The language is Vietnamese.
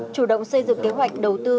chủ động xây dựng kế hoạch đầu tư